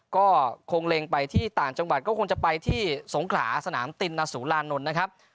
ก็คงเล็งไปที่ต่างจังหวัดก็คงจะไปที่สงขลาสนามตินสุรานนท์นะครับ